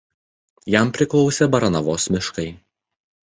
Jam priklausė Baranavos miškai.